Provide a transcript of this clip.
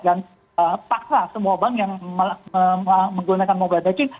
dan paksa semua bank yang menggunakan mobile banking